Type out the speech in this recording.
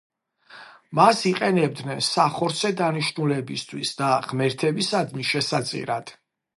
მას იყენებდნენ სახორცე დანიშნულებისთვის და ღმერთებისადმი შესაწირად.